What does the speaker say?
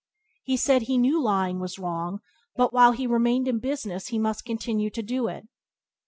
He said he knew lying was wrong, but while he remained in business he must continue to do it.